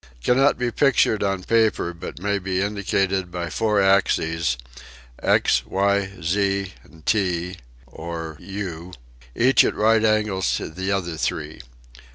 Cannot be pictured on paper, but may be indicated by four axes, X, y, g and t (or «), each at right angles to the other three.